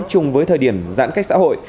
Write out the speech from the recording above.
chúng với thời điểm giãn cách xã hội